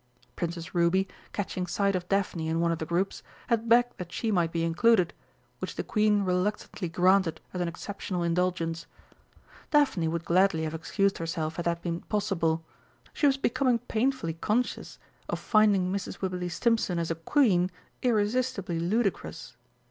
Princess Ruby, catching sight of Daphne in one of the groups, had begged that she might be included, which the Queen reluctantly granted as an exceptional indulgence. Daphne would gladly have excused herself had that been possible; she was becoming painfully conscious of finding Mrs. Wibberley Stimpson as a Queen irresistibly ludicrous.